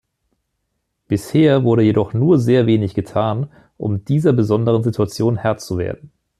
Bisher wurde jedoch nur sehr wenig getan, um dieser besonderen Situation Herr zu werden.